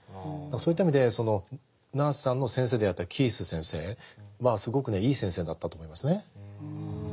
そういった意味でナースさんの先生であったキース先生はすごくねいい先生だったと思いますね。